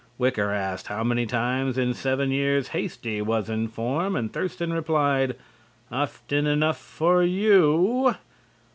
Wicker asked how many times in seven years Hasty was in form and Thurston replied: "Often enough for you."